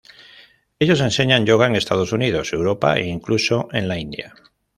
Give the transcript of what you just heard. Ellos enseñan Yoga en Estados Unidos, Europa e incluso en la India.